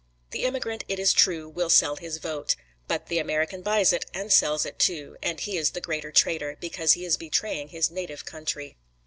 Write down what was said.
The immigrant, it is true, will sell his vote; but the American buys it, and sells it too, and he is the greater traitor; because he is betraying his native country.